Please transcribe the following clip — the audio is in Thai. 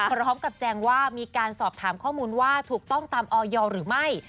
แจงว่ามีการสอบถามข้อมูลว่าถูกต้องตามออยหรือไม่